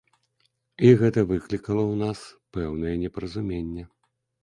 І гэта выклікала ў нас пэўнае непаразуменне.